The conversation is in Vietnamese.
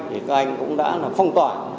thì các anh cũng đã phong tỏa